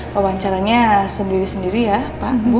pemawancaranya sendiri sendiri ya pak bu